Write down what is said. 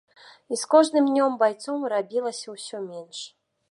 І з кожным днём байцоў рабілася ўсё менш.